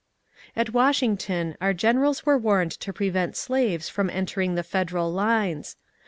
At Washington our generals were warned to prevent slaves from entering the Federal lines.